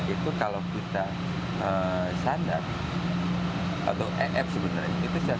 itu kalau kita standar atau ef sebetulnya itu satu ratus delapan puluh enam